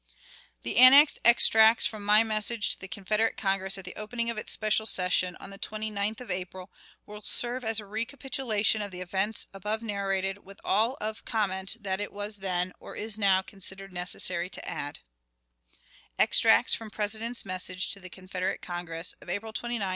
The annexed extracts from my message to the Confederate Congress at the opening of its special session, on the 29th of April, will serve as a recapitulation of the events above narrated, with all of comment that it was then, or is now, considered necessary to add: [_Extracts from President's Message to the Confederate Congress, of April 29, 1861.